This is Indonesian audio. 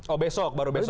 oh besok baru besok